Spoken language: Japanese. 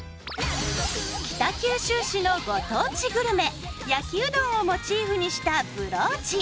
北九州市のご当地グルメ焼きうどんをモチーフにしたブローチ。